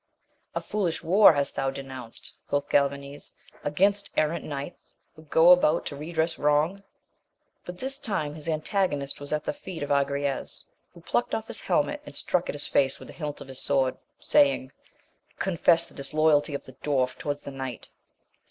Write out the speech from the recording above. A foolish war hast thou denounced, quoth Galvanes, against errant knights, who go about to redress wrong ! By this time his antagonist was at the feet of Agrayes, who plucked off his helmet and struck at his face with the hilt of his sword, saying, confess the dis loyalty of the dwarf towards the knight.